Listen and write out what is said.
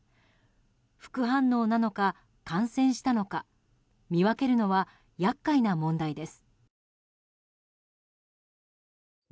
副反応なのか感染したのか見分けるのは厄介な問題です。